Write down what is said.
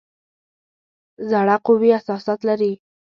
زړه قوي احساسات لري.